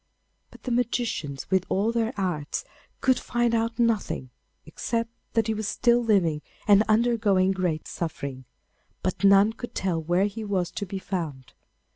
But the magicians, with all their arts, could find out nothing, except that he was still living and undergoing great suffering; but none could tell where he was to be found.